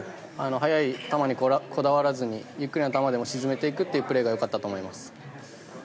速い球にこだわらずにゆっくりな球でも沈めていくというプレーが良かったと思います。